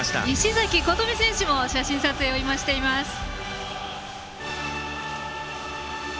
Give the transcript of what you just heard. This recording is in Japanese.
石崎琴美選手も写真撮影をしています。